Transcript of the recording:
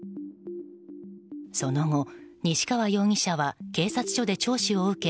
その後、西川容疑者は警察署で聴取を受け